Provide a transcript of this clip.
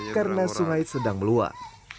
karena sungai sedang meluap